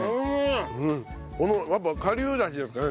このやっぱ顆粒ダシですかね？